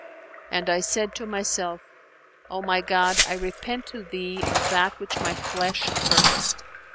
And I said, 'O my God, I repent to Thee of that which my flesh purposed!'